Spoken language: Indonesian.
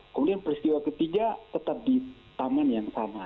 kemudian peristiwa ketiga tetap di tangan yang sama